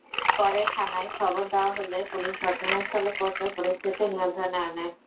পরে থানায় খবর দেওয়া হলে পুলিশ ঘটনাস্থলে পৌঁছে পরিস্থিতি নিয়ন্ত্রণে আনে।